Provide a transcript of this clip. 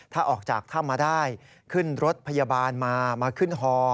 ถ้าออกจากถ้ำมาได้ขึ้นรถพยาบาลมามาขึ้นฮอ